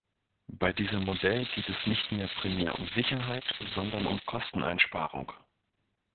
Bei diesem Modell geht es nicht mehr primär um Sicherheit, sondern um Kosteneinsparung.